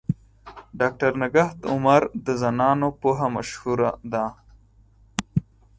ډاکټر نگهت عمر د زنانو پوهه مشهوره ده.